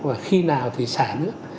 và khi nào thì xả nước